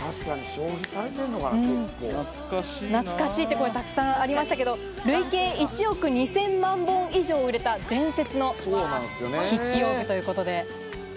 懐かしいという声が沢山ありましたけど、累計１億２０００万本以上売れた、伝説の筆記用具ということで。